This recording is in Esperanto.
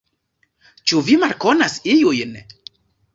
Ĉu vi malkonas iujn?